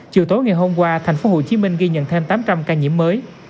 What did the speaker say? chiều tối ngày hôm qua thành phố hồ chí minh ghi nhận thêm tám trăm linh ca nhiễm mới